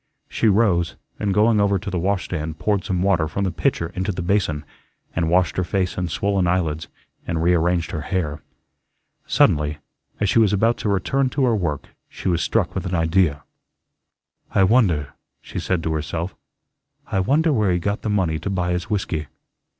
She rose, and going over to the washstand, poured some water from the pitcher into the basin, and washed her face and swollen eyelids, and rearranged her hair. Suddenly, as she was about to return to her work, she was struck with an idea. "I wonder," she said to herself, "I wonder where he got the money to buy his whiskey."